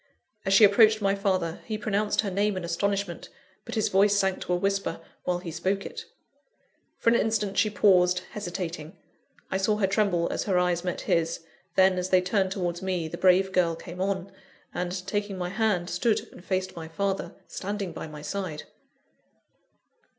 As she approached my father, he pronounced her name in astonishment; but his voice sank to a whisper, while he spoke it. For an instant, she paused, hesitating I saw her tremble as her eyes met his then, as they turned towards me, the brave girl came on; and, taking my hand, stood and faced my father, standing by my side.